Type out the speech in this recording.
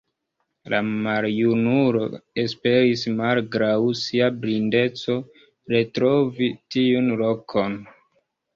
La maljunulo esperis malgraŭ sia blindeco retrovi tiun lokon.